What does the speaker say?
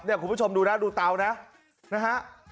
คุณผู้ชมดูนะดูเตานะนะฮะ